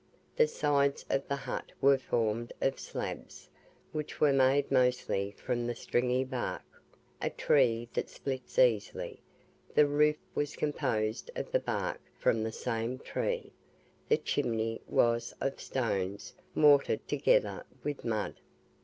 The sides of the hut were formed of slabs, which were made mostly from the stringy bark, a tree that splits easily the roof was composed of the bark from the same tree; the chimney was of stones mortared together with mud.